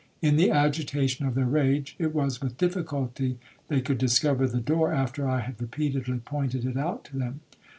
In the agitation of their rage, it was with difficulty they could discover the door after I had repeatedly pointed it out to them.